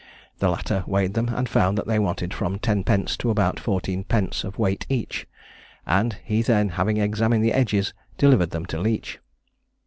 The latter weighed them, and found that they wanted from ten pence to about fourteen pence of weight each; and he then, having examined the edges, delivered them to Leach.